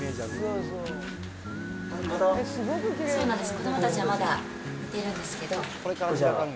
子どもたちはまだ寝てるんですけど。